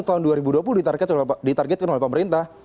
tahun dua ribu dua puluh ditargetkan oleh pemerintah